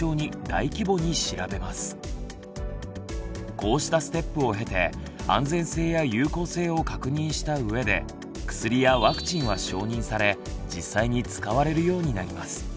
こうしたステップを経て安全性や有効性を確認したうえで薬やワクチンは承認され実際に使われるようになります。